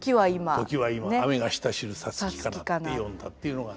「ときは今あめが下しる五月かな」って詠んだっていうのが。